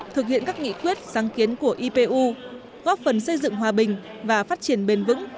thực hiện các nghị quyết sáng kiến của ipu góp phần xây dựng hòa bình và phát triển bền vững